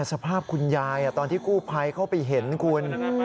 สภาพคุณยายตอนที่กู้ภัยเข้าไปเห็นคุณ